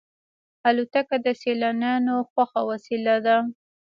الوتکه د سیلانیانو خوښه وسیله ده.